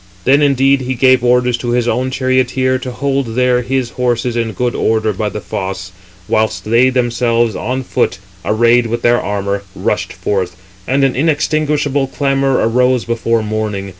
Then indeed each gave orders to his own charioteer to hold there his horses in good order by the fosse; whilst they themselves on foot 364, arrayed with their armour, rushed forth; and an inextinguishable clamour arose before morning.